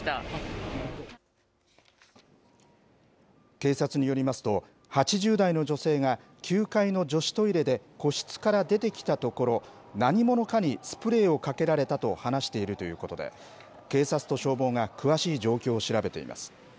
警察によりますと、８０代の女性が９階の女子トイレで個室から出てきたところ、何者かにスプレーをかけられたと話しているということで、警察と消防が詳しい状況を調べています。